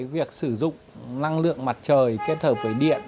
việc sử dụng năng lượng mặt trời kết hợp với điện